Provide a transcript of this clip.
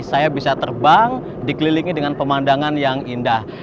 saya bisa terbang dikelilingi dengan pemandangan yang indah